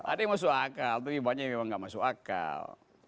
ada yang masuk akal tapi banyak yang memang tidak masuk akal